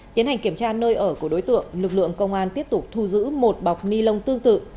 tiến hành kiểm tra nơi ở của đối tượng lực lượng công an tiếp tục thu giữ một bọc ni lông tương tự